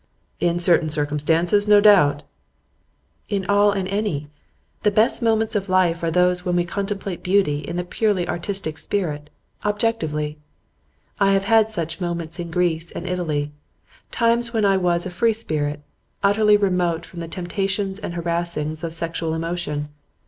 'In certain circumstances, no doubt.' 'In all and any. The best moments of life are those when we contemplate beauty in the purely artistic spirit objectively. I have had such moments in Greece and Italy; times when I was a free spirit, utterly remote from the temptations and harassings of sexual emotion.